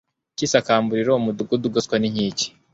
cy isakamburiro umudugudu ugoswe n inkike